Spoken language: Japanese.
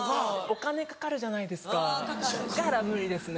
お金かかるじゃないですかだから無理ですね